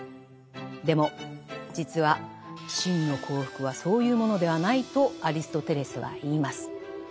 でも実は「真の幸福」はそういうものではないとアリストテレスは言います。